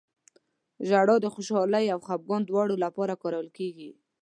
• ژړا د خوشحالۍ او خفګان دواړو لپاره کارول کېږي.